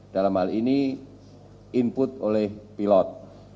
dalam hal ini input oleh pilot